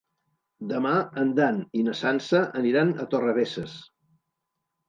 Demà en Dan i na Sança aniran a Torrebesses.